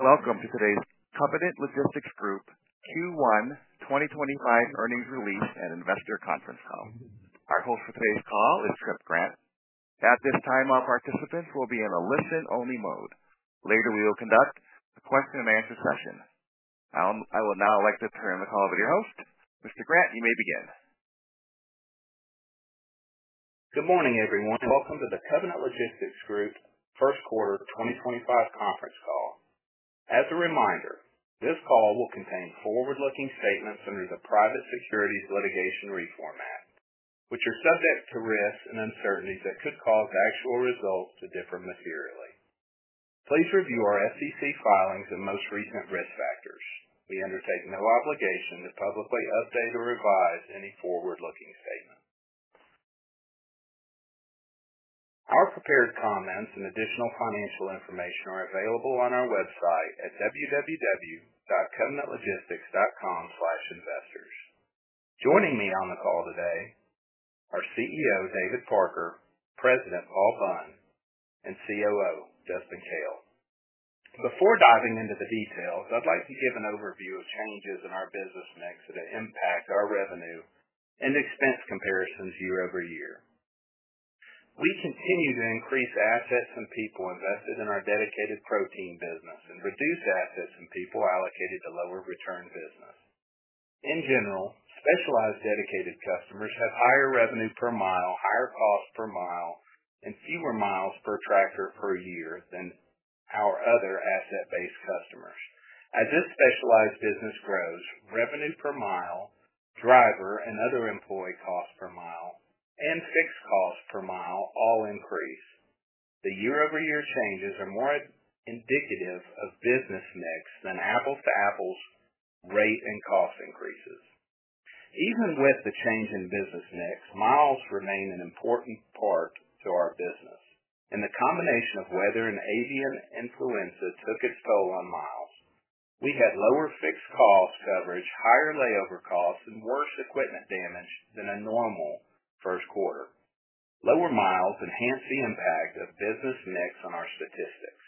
Welcome to today's Covenant Logistics Group Q1 2025 earnings release and investor conference call. Our host for today's call is Tripp Grant. At this time, all participants will be in a listen-only mode. Later, we will conduct a question-and-answer session. I will now like to turn the call over to your host, Mr. Grant. You may begin. Good morning, everyone. Welcome to the Covenant Logistics Group First Quarter 2025 conference call. As a reminder, this call will contain forward-looking statements under the Private Securities Litigation Reform Act, which are subject to risks and uncertainties that could cause actual results to differ materially. Please review our SEC filings and most recent risk factors. We undertake no obligation to publicly update or revise any forward-looking statements. Our prepared comments and additional financial information are available on our website at www.covenantlogistics.com/investors. Joining me on the call today are CEO David Parker, President Paul Bunn, and COO Dustin Koehl. Before diving into the details, I'd like to give an overview of changes in our business mix that impact our revenue and expense comparisons year over year. We continue to increase assets and people invested in our dedicated protein business and reduce assets and people allocated to lower-return business. In general, specialized dedicated customers have higher revenue per mile, higher cost per mile, and fewer miles per tractor per year than our other asset-based customers. As this specialized business grows, revenue per mile, driver and other employee cost per mile, and fixed cost per mile all increase. The year-over-year changes are more indicative of business mix than apples-to-apples rate and cost increases. Even with the change in business mix, miles remain an important part to our business. The combination of weather and avian influenza took its toll on miles, we had lower fixed cost coverage, higher layover costs, and worse equipment damage than a normal first quarter. Lower miles enhanced the impact of business mix on our statistics.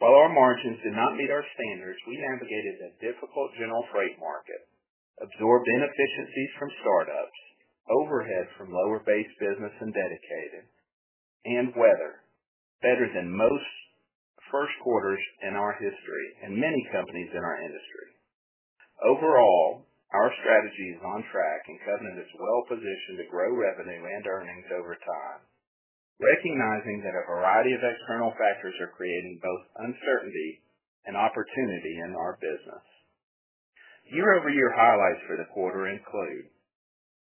While our margins did not meet our standards, we navigated a difficult general freight market, absorbed inefficiencies from startups, overhead from lower-based business and dedicated, and weather better than most first quarters in our history and many companies in our industry. Overall, our strategy is on track, and Covenant is well-positioned to grow revenue and earnings over time, recognizing that a variety of external factors are creating both uncertainty and opportunity in our business. Year-over-year highlights for the quarter include: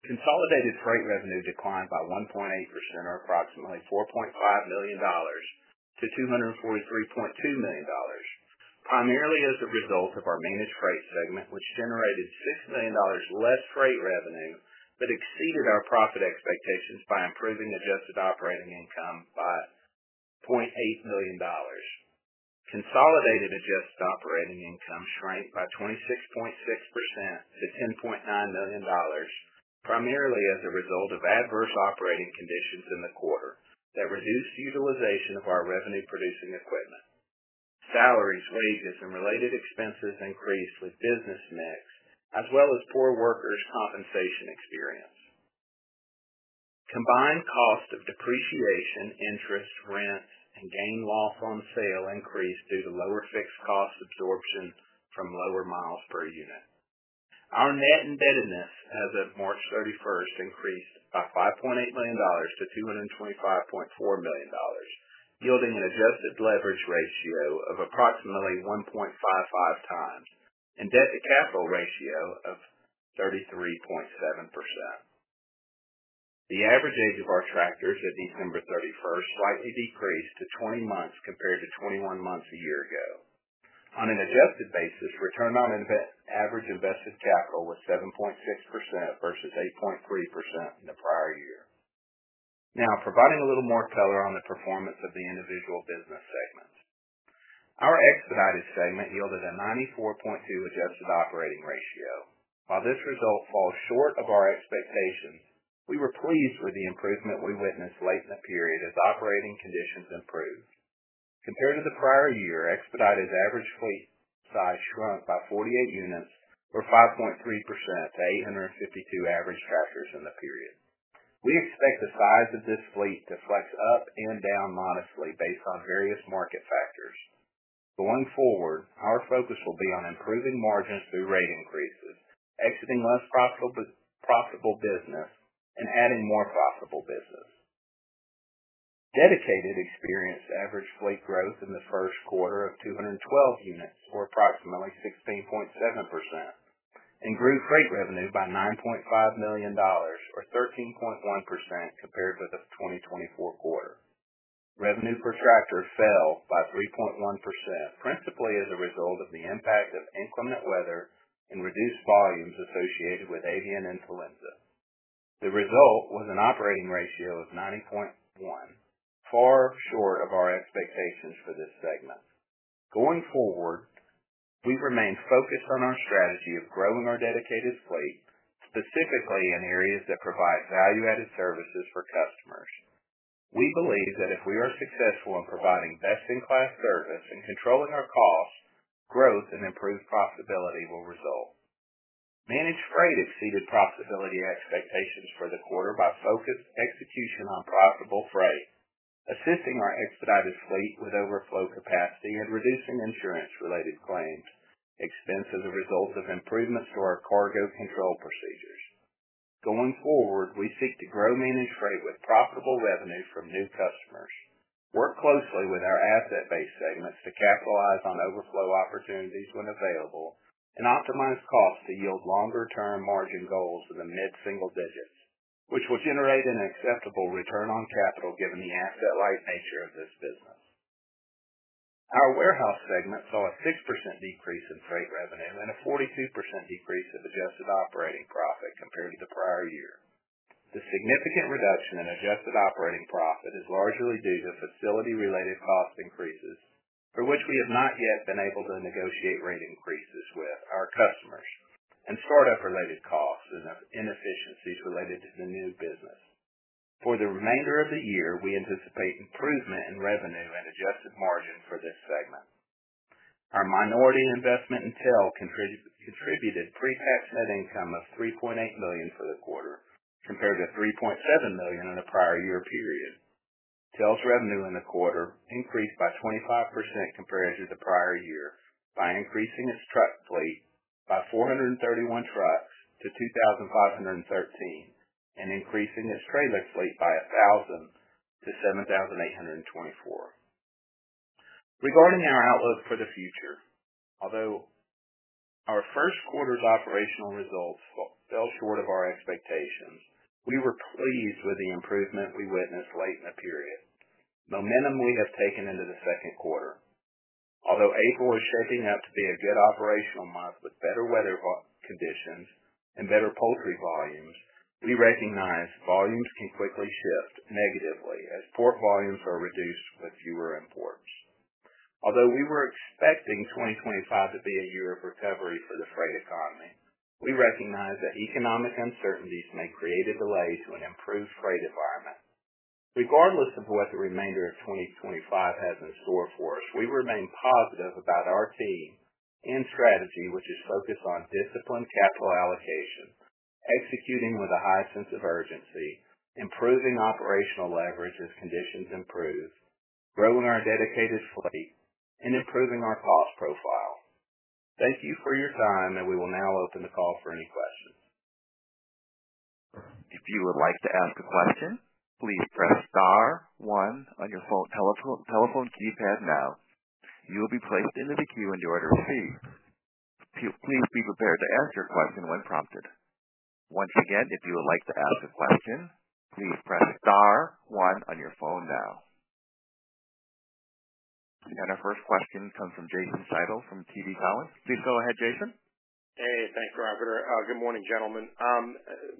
consolidated freight revenue declined by 1.8%, or approximately $4.5 million, to $243.2 million, primarily as a result of our managed freight segment, which generated $6 million less freight revenue but exceeded our profit expectations by improving adjusted operating income by $0.8 million. Consolidated adjusted operating income shrank by 26.6% to $10.9 million, primarily as a result of adverse operating conditions in the quarter that reduced utilization of our revenue-producing equipment. Salaries, wages, and related expenses increased with business mix, as well as poor workers' compensation experience. Combined cost of depreciation, interest, rent, and gain loss on sale increased due to lower fixed cost absorption from lower miles per unit. Our net indebtedness as of March 31 increased by $5.8 million to $225.4 million, yielding an adjusted leverage ratio of approximately 1.55 times and debt-to-capital ratio of 33.7%. The average age of our tractors at December 31 slightly decreased to 20 months compared to 21 months a year ago. On an adjusted basis, return on average invested capital was 7.6% versus 8.3% in the prior year. Now, providing a little more color on the performance of the individual business segments, our expedited segment yielded a 94.2 adjusted operating ratio. While this result falls short of our expectations, we were pleased with the improvement we witnessed late in the period as operating conditions improved. Compared to the prior year, expedited average fleet size shrunk by 48 units, or 5.3%, to 852 average tractors in the period. We expect the size of this fleet to flex up and down modestly based on various market factors. Going forward, our focus will be on improving margins through rate increases, exiting less profitable business, and adding more profitable business. Dedicated experienced average fleet growth in the first quarter of 212 units, or approximately 16.7%, and grew freight revenue by $9.5 million, or 13.1%, compared to the 2024 quarter. Revenue per tractor fell by 3.1%, principally as a result of the impact of inclement weather and reduced volumes associated with avian influenza. The result was an operating ratio of 90.1, far short of our expectations for this segment. Going forward, we remain focused on our strategy of growing our dedicated fleet, specifically in areas that provide value-added services for customers. We believe that if we are successful in providing best-in-class service and controlling our costs, growth and improved profitability will result. Managed freight exceeded profitability expectations for the quarter by focused execution on profitable freight, assisting our expedited fleet with overflow capacity and reducing insurance-related claims expense as a result of improvements to our cargo control procedures. Going forward, we seek to grow managed freight with profitable revenue from new customers, work closely with our asset-based segments to capitalize on overflow opportunities when available, and optimize costs to yield longer-term margin goals in the mid-single digits, which will generate an acceptable return on capital given the asset-like nature of this business. Our warehouse segment saw a 6% decrease in freight revenue and a 42% decrease in adjusted operating profit compared to the prior year. The significant reduction in adjusted operating profit is largely due to facility-related cost increases, for which we have not yet been able to negotiate rate increases with our customers, and startup-related costs and inefficiencies related to the new business. For the remainder of the year, we anticipate improvement in revenue and adjusted margin for this segment. Our minority investment in TEL contributed pre-tax net income of $3.8 million for the quarter, compared to $3.7 million in the prior year period. TEL's revenue in the quarter increased by 25% compared to the prior year by increasing its truck fleet by 431 trucks to 2,513 and increasing its trailer fleet by 1,000 to 7,824. Regarding our outlook for the future, although our first quarter's operational results fell short of our expectations, we were pleased with the improvement we witnessed late in the period. Momentum we have taken into the second quarter. Although April is shaping up to be a good operational month with better weather conditions and better poultry volumes, we recognize volumes can quickly shift negatively as port volumes are reduced with fewer imports. Although we were expecting 2025 to be a year of recovery for the freight economy, we recognize that economic uncertainties may create a delay to an improved freight environment. Regardless of what the remainder of 2025 has in store for us, we remain positive about our team and strategy, which is focused on disciplined capital allocation, executing with a high sense of urgency, improving operational leverage as conditions improve, growing our dedicated fleet, and improving our cost profile. Thank you for your time, and we will now open the call for any questions. If you would like to ask a question, please press star one on your telephone keypad now. You will be placed into the queue and you are to proceed. Please be prepared to ask your question when prompted. Once again, if you would like to ask a question, please press star one on your phone now. Our first question comes from Jason Seidl from TD Cowen. Please go ahead, Jason. Hey, thanks, Robert. Good morning, gentlemen. I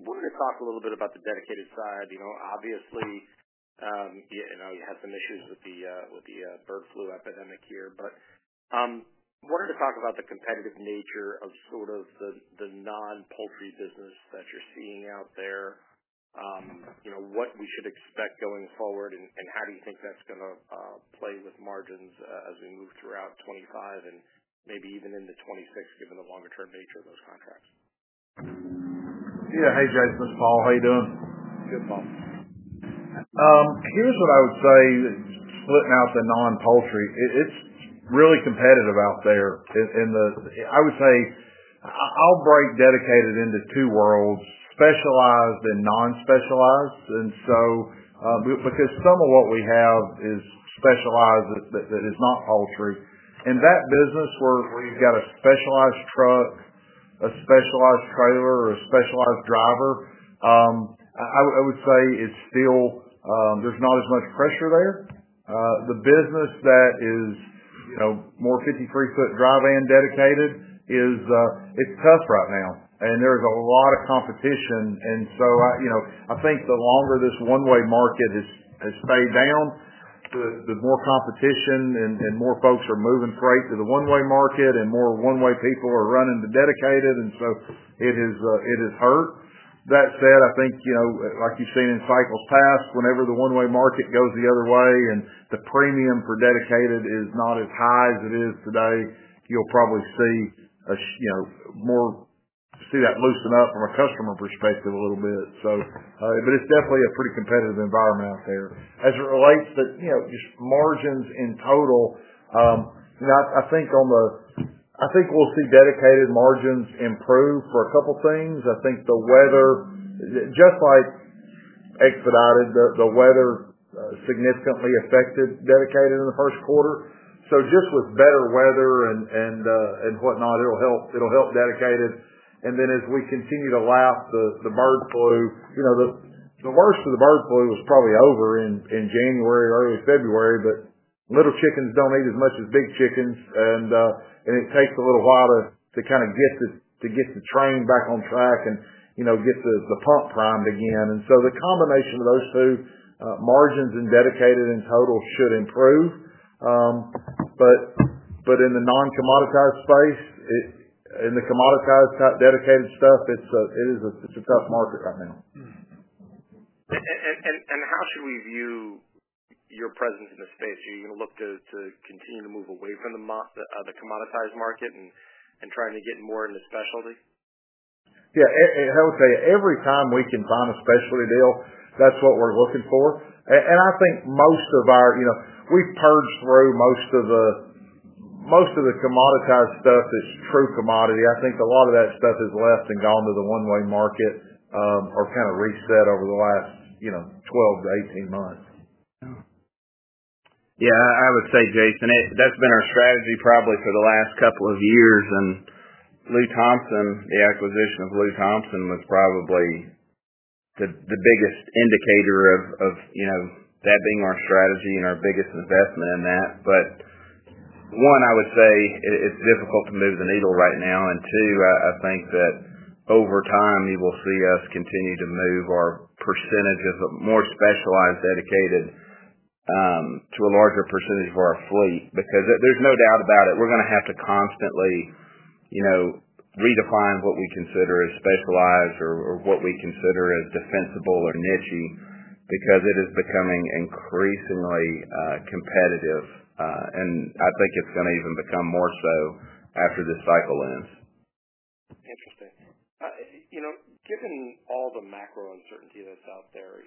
wanted to talk a little bit about the dedicated side. Obviously, you had some issues with the avian influenza epidemic here, but I wanted to talk about the competitive nature of sort of the non-poultry business that you're seeing out there, what we should expect going forward, and how do you think that's going to play with margins as we move throughout 2025 and maybe even into 2026, given the longer-term nature of those contracts? Yeah. Hey, Jason. This is Paul. How are you doing? Good, Paul. Here's what I would say splitting out the non-poultry. It's really competitive out there. I would say I'll break dedicated into two worlds: specialized and non-specialized. Some of what we have is specialized that is not poultry. In that business where you've got a specialized truck, a specialized trailer, or a specialized driver, I would say there's not as much pressure there. The business that is more 53-foot dry van dedicated, it's tough right now, and there's a lot of competition. I think the longer this one-way market has stayed down, the more competition and more folks are moving freight to the one-way market, and more one-way people are running to dedicated, and it has hurt. That said, I think, like you've seen in cycles past, whenever the one-way market goes the other way and the premium for dedicated is not as high as it is today, you'll probably see that loosen up from a customer perspective a little bit. It is definitely a pretty competitive environment out there. As it relates to just margins in total, I think we'll see dedicated margins improve for a couple of things. I think the weather, just like expedited, the weather significantly affected dedicated in the first quarter. Just with better weather and whatnot, it'll help dedicated. As we continue to lap the bird flu, the worst of the bird flu was probably over in January, early February, but little chickens do not eat as much as big chickens, and it takes a little while to kind of get the train back on track and get the pump primed again. The combination of those two margins and dedicated in total should improve. In the non-commoditized space, in the commoditized dedicated stuff, it is a tough market right now. How should we view your presence in the space? Are you going to look to continue to move away from the commoditized market and trying to get more into specialty? Yeah. I would say every time we can find a specialty deal, that's what we're looking for. I think most of our we've purged through most of the commoditized stuff that's true commodity. I think a lot of that stuff has left and gone to the one-way market or kind of reset over the last 12 to 18 months. Yeah. I would say, Jason, that's been our strategy probably for the last couple of years. The acquisition of Lew Thompson was probably the biggest indicator of that being our strategy and our biggest investment in that. One, I would say it's difficult to move the needle right now. Two, I think that over time, you will see us continue to move our percentage of more specialized dedicated to a larger percentage of our fleet because there's no doubt about it. We're going to have to constantly redefine what we consider as specialized or what we consider as defensible or niche because it is becoming increasingly competitive. I think it's going to even become more so after this cycle ends. Interesting. Given all the macro uncertainty that's out there,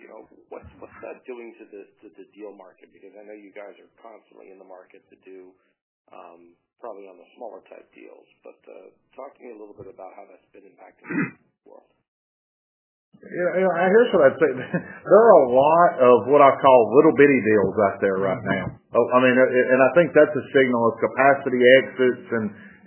what's that doing to the deal market? Because I know you guys are constantly in the market to do probably on the smaller type deals, but talk to me a little bit about how that's been impacting the world. Here's what I'd say. There are a lot of what I call little bitty deals out there right now. I mean, and I think that's a signal of capacity exits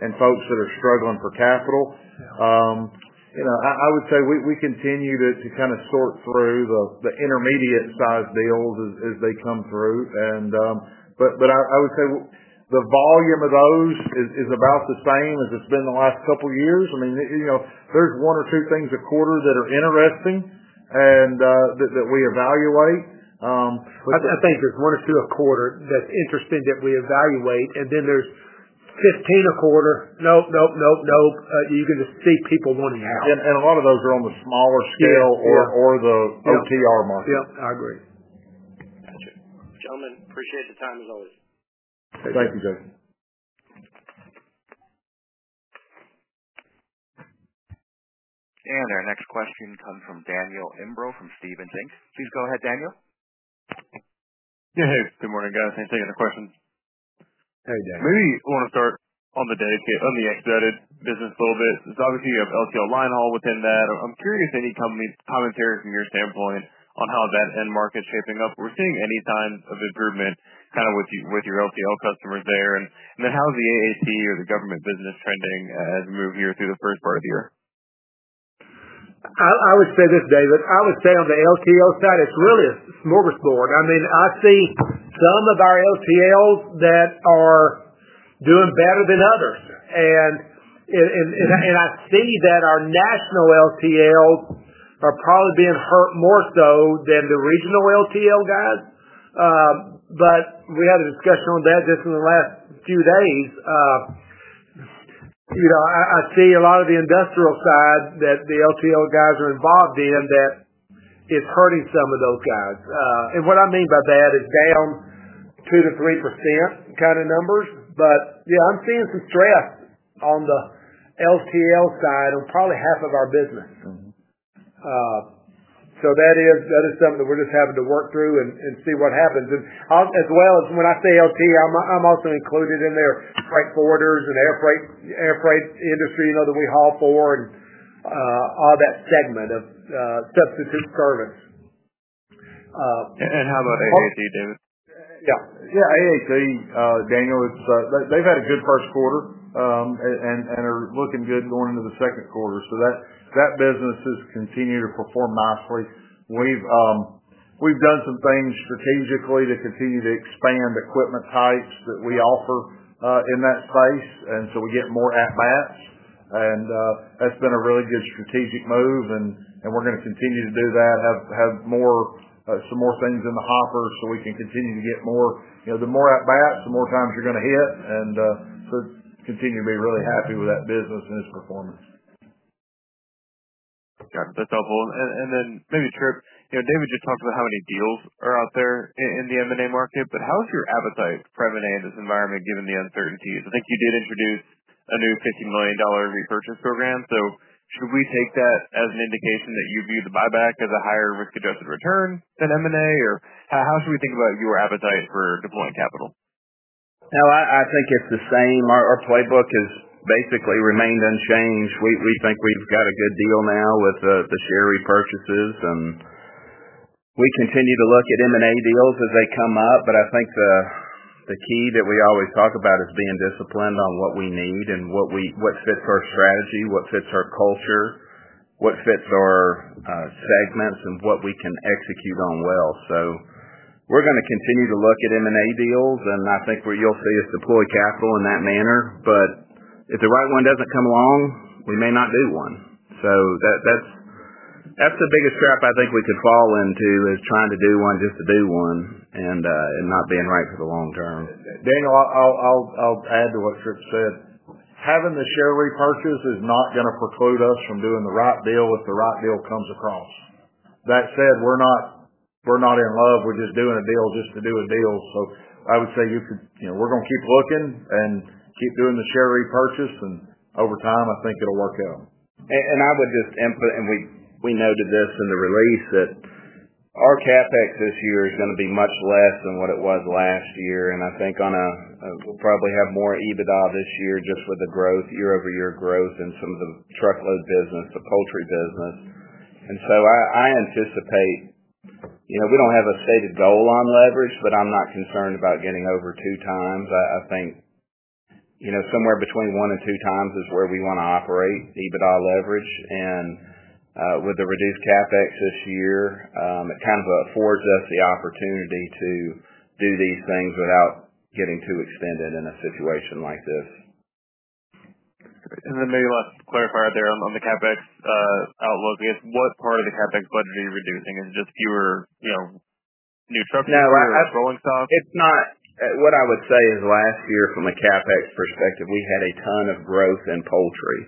and folks that are struggling for capital. I would say we continue to kind of sort through the intermediate size deals as they come through. I would say the volume of those is about the same as it's been the last couple of years. I mean, there's one or two things a quarter that are interesting that we evaluate. I think there's one or two a quarter that's interesting that we evaluate. Then there's 15 a quarter. Nope, nope, nope, nope. You can just see people wanting out. A lot of those are on the smaller scale or the OTR market. Yep. I agree. Gotcha. Gentlemen, appreciate the time as always. Thank you, Jason. Our next question comes from Daniel Imbro from Stephens Inc. Please go ahead, Daniel. Hey, hey. Good morning, guys. Thanks for taking the question. Hey, Daniel. Maybe you want to start on the expedited business a little bit. Obviously, you have LTL linehaul within that. I'm curious any commentary from your standpoint on how that end market's shaping up. Are we seeing any signs of improvement kind of with your LTL customers there? How's the AAT or the government business trending as we move here through the first part of the year? I would say this, David. I would say on the LTL side, it's really a smorgasbord. I mean, I see some of our LTLs that are doing better than others. I see that our national LTLs are probably being hurt more so than the regional LTL guys. We had a discussion on that just in the last few days. I see a lot of the industrial side that the LTL guys are involved in that is hurting some of those guys. What I mean by that is down 2-3% kind of numbers. Yeah, I'm seeing some stress on the LTL side on probably half of our business. That is something that we're just having to work through and see what happens. As well as when I say LTL, I'm also including in there freight forwarders and air freight industry that we haul for and all that segment of substitute service. How about AAT, David? Yeah. Yeah, AAT, Daniel, they've had a good first quarter and are looking good going into the second quarter. That business has continued to perform nicely. We've done some things strategically to continue to expand equipment types that we offer in that space, and we get more at bats. That's been a really good strategic move, and we're going to continue to do that, have some more things in the hopper so we can continue to get more. The more at bats, the more times you're going to hit. Continue to be really happy with that business and its performance. Got it. That's helpful. Maybe Tripp, David just talked about how many deals are out there in the M&A market, but how is your appetite for M&A in this environment given the uncertainties? I think you did introduce a new $50 million repurchase program. Should we take that as an indication that you view the buyback as a higher risk-adjusted return than M&A? How should we think about your appetite for deploying capital? No, I think it's the same. Our playbook has basically remained unchanged. We think we've got a good deal now with the share repurchases. We continue to look at M&A deals as they come up. I think the key that we always talk about is being disciplined on what we need and what fits our strategy, what fits our culture, what fits our segments, and what we can execute on well. We are going to continue to look at M&A deals, and I think what you'll see is deploy capital in that manner. If the right one does not come along, we may not do one. That's the biggest trap I think we could fall into is trying to do one just to do one and not being right for the long term. Daniel, I'll add to what Tripp said. Having the share repurchase is not going to preclude us from doing the right deal if the right deal comes across. That said, we're not in love. We're just doing a deal just to do a deal. I would say we're going to keep looking and keep doing the share repurchase. Over time, I think it'll work out. I would just input, and we noted this in the release, that our CapEx this year is going to be much less than what it was last year. I think we'll probably have more EBITDA this year just with the year-over-year growth and some of the truckload business, the poultry business. I anticipate we don't have a stated goal on leverage, but I'm not concerned about getting over two times. I think somewhere between one and two times is where we want to operate EBITDA leverage. With the reduced CapEx this year, it kind of affords us the opportunity to do these things without getting too extended in a situation like this. Maybe I'll clarify out there on the CapEx outlook. I guess what part of the CapEx budget are you reducing? Is it just fewer new truckers? No, what I would say is last year from a CapEx perspective, we had a ton of growth in poultry,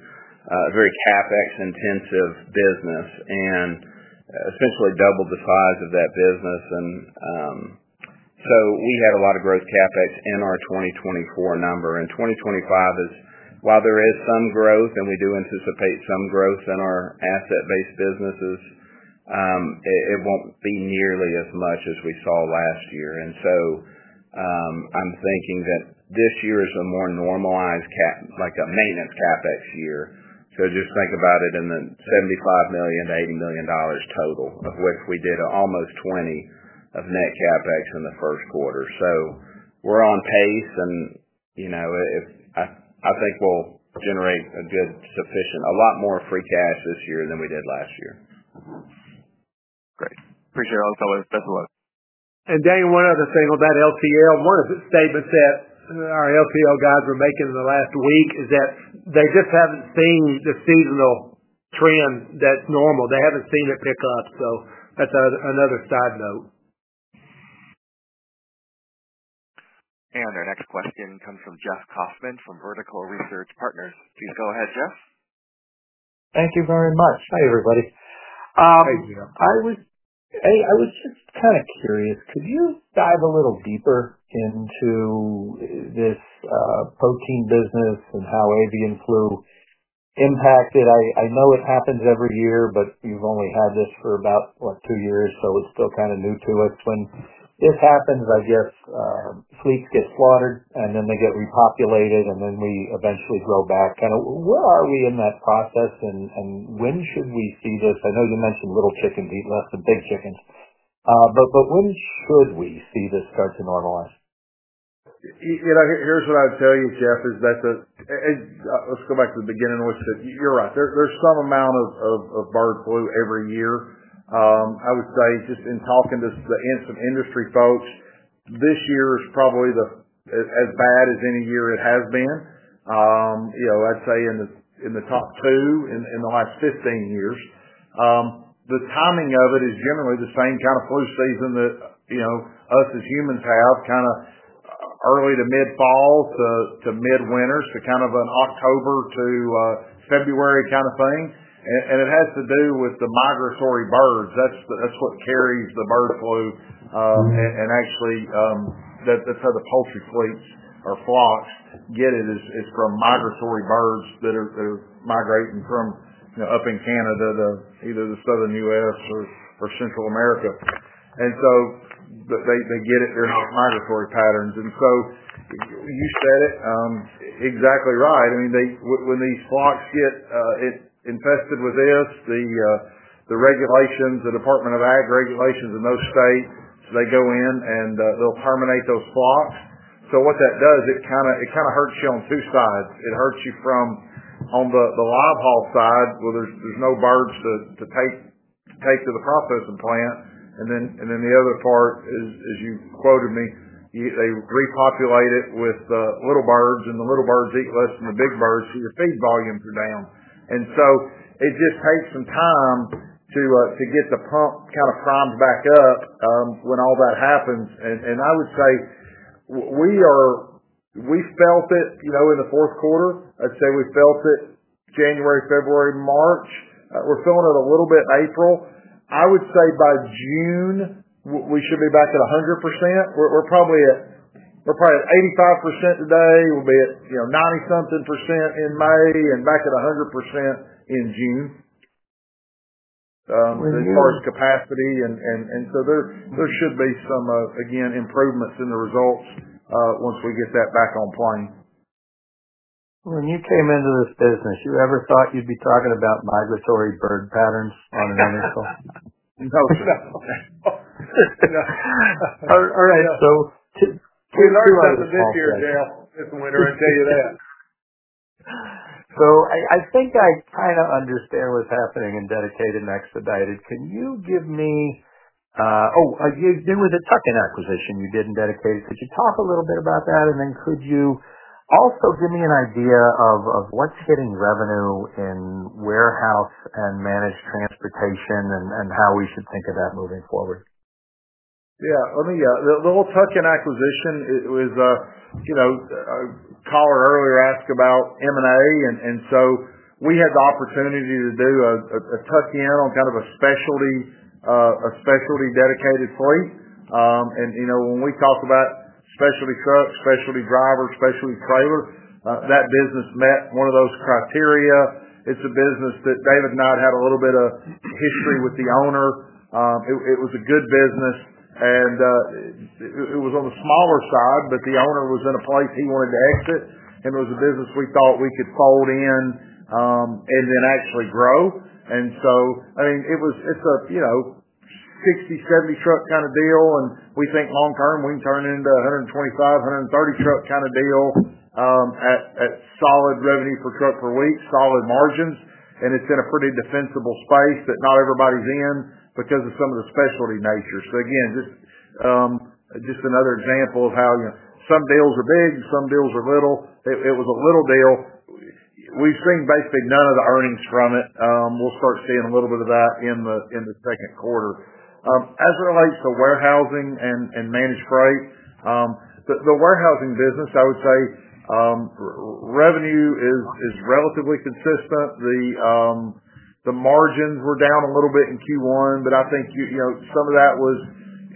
a very CapEx-intensive business, and essentially doubled the size of that business. We had a lot of growth CapEx in our 2024 number. In 2025, while there is some growth, and we do anticipate some growth in our asset-based businesses, it will not be nearly as much as we saw last year. I am thinking that this year is a more normalized maintenance CapEx year. Just think about it in the $75 million-$80 million total, of which we did almost $20 million of net CapEx in the first quarter. We are on pace. I think we will generate a lot more free cash this year than we did last year. Great. Appreciate it. Thanks a lot. Daniel, one other thing on that LTL. One of the statements that our LTL guys were making in the last week is that they just haven't seen the seasonal trend that's normal. They haven't seen it pick up. That is another side note. Our next question comes from Jeff Kauffman from Vertical Research Partners. Please go ahead, Jeff. Thank you very much. Hi, everybody. Hey, Jeff. I was just kind of curious. Could you dive a little deeper into this protein business and how avian flu impacted? I know it happens every year, but we've only had this for about two years, so it's still kind of new to us. When this happens, I guess fleets get slaughtered, and then they get repopulated, and then we eventually grow back. Kind of where are we in that process, and when should we see this? I know you mentioned little chickens eat less than big chickens. But when should we see this start to normalize? Here's what I'd tell you, Jeff, is that let's go back to the beginning of what you said. You're right. There's some amount of bird flu every year. I would say just in talking to some industry folks, this year is probably as bad as any year it has been. I'd say in the top two in the last 15 years. The timing of it is generally the same kind of flu season that us as humans have, kind of early to mid-fall to mid-winter, so kind of an October to February kind of thing. It has to do with the migratory birds. That's what carries the bird flu. Actually, that's how the poultry fleets or flocks get it. It's from migratory birds that are migrating from up in Canada to either the southern U.S. or Central America. They get it. They're migratory patterns. You said it exactly right. I mean, when these flocks get infested with this, the Department of Ag regulations in those states, they go in and they'll terminate those flocks. What that does, it kind of hurts you on two sides. It hurts you on the live haul side. There's no birds to take to the processing plant. The other part, as you quoted me, they repopulate it with little birds, and the little birds eat less than the big birds, so your feed volumes are down. It just takes some time to get the pump kind of primed back up when all that happens. I would say we felt it in the fourth quarter. I'd say we felt it January, February, March. We're feeling it a little bit in April. I would say by June, we should be back at 100%. We're probably at 85% today. We'll be at 90-something percent in May and back at 100% in June as far as capacity. There should be some, again, improvements in the results once we get that back on plane. When you came into this business, you ever thought you'd be talking about migratory bird patterns on another call? No. All right. Two months ago. We learned something this year, Jeff, this winter, I tell you that. I think I kind of understand what's happening in Dedicated and Expedited. Can you give me, oh, you were the tuck-in acquisition you did in Dedicated. Could you talk a little bit about that? Could you also give me an idea of what's hitting revenue in warehouse and managed transportation and how we should think of that moving forward? Yeah. The whole tuck-in acquisition, it was a caller earlier asked about M&A. We had the opportunity to do a tuck-in on kind of a specialty dedicated fleet. When we talk about specialty trucks, specialty drivers, specialty trailers, that business met one of those criteria. It's a business that David and I had a little bit of history with the owner. It was a good business. It was on the smaller side, but the owner was in a place he wanted to exit. It was a business we thought we could fold in and then actually grow. I mean, it's a 60-70 truck kind of deal. We think long term, we can turn it into a 125-130 truck kind of deal at solid revenue per truck per week, solid margins. It is in a pretty defensible space that not everybody is in because of some of the specialty nature. Just another example of how some deals are big and some deals are little. It was a little deal. We have seen basically none of the earnings from it. We will start seeing a little bit of that in the second quarter. As it relates to warehousing and managed freight, the warehousing business, I would say revenue is relatively consistent. The margins were down a little bit in Q1, but I think some of that was,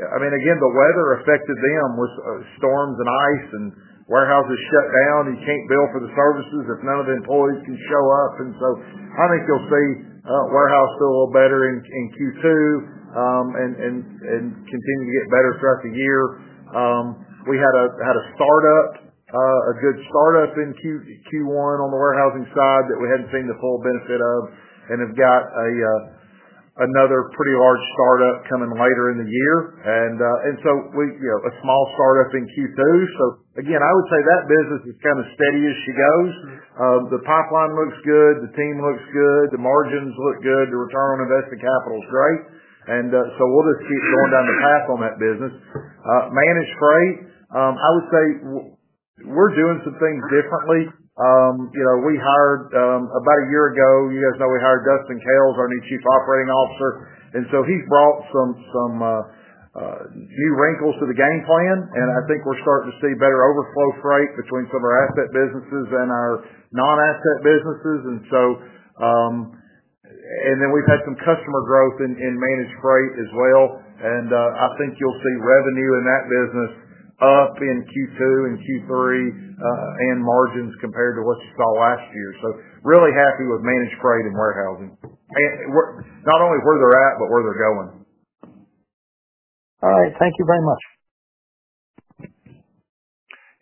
I mean, the weather affected them with storms and ice, and warehouses shut down. You cannot bill for the services if none of the employees can show up. I think you will see warehouse do a little better in Q2 and continue to get better throughout the year. We had a good startup in Q1 on the warehousing side that we had not seen the full benefit of and have got another pretty large startup coming later in the year. A small startup in Q2. I would say that business is kind of steady as she goes. The pipeline looks good. The team looks good. The margins look good. The return on invested capital is great. We will just keep going down the path on that business. Managed freight, I would say we are doing some things differently. We hired about a year ago, you guys know we hired Dustin Koehl, our new Chief Operating Officer. He has brought some new wrinkles to the game plan. I think we are starting to see better overflow freight between some of our asset businesses and our non-asset businesses. We have had some customer growth in managed freight as well. I think you will see revenue in that business up in Q2 and Q3 and margins compared to what you saw last year. I am really happy with managed freight and warehousing, not only where they are at, but where they are going. All right. Thank you very much.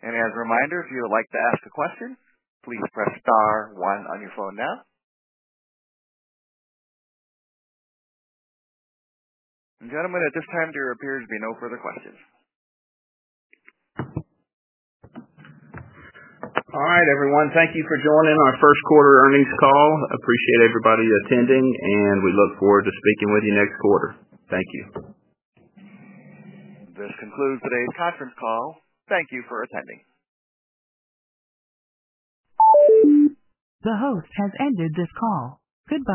As a reminder, if you would like to ask a question, please press star one on your phone now. Gentlemen, at this time, there appears to be no further questions. All right, everyone. Thank you for joining our first quarter earnings call. Appreciate everybody attending, and we look forward to speaking with you next quarter. Thank you. This concludes today's conference call. Thank you for attending. The host has ended this call. Goodbye.